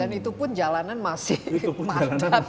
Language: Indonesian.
dan itu pun jalanan masih madat